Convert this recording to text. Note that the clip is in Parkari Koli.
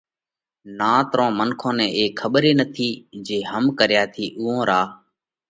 نات رو منکون نئہ اي کٻر نٿِي جي هم ڪريا ٿِي اُوئون را